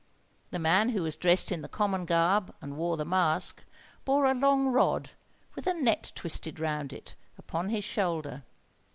The man who was dressed in the common garb and wore the mask, bore a long rod with a net twisted round it, upon his shoulder.